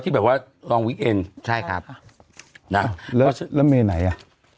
แบบว่าลองวิกเอ็นใช่ครับนะแล้วแล้วเมไหนอ่ะ